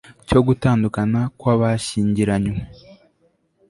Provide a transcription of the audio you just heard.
cyo gutandukana kwa bashyingiranywe